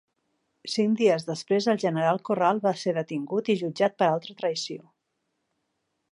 Cinc dies després, el general Corral va ser detingut i jutjat per alta traïció.